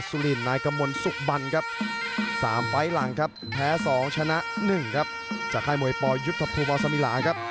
ทุ่งมนต์สิงหะเดชายิม